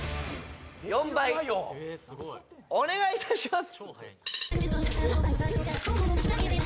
４倍お願いいたします！